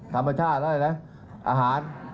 ธรรมชาติอะไรนะอาหาร